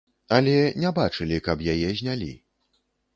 Але не бачылі, каб яе знялі.